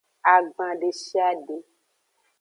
Agban deshiade.